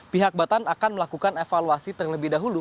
pihak batan akan melakukan evaluasi terlebih dahulu